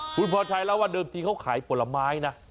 คุณพรชัยเล่าว่าเดิมทีเขาขายผลไม้นะ